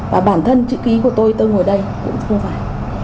và bản thân chữ ký của tôi tôi ở đây cũng không phải